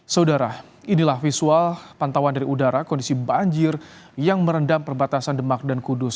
saudara inilah visual pantauan dari udara kondisi banjir yang merendam perbatasan demak dan kudus